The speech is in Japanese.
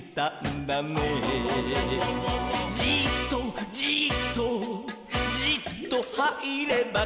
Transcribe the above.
「じっとじっとじっとはいればからだの」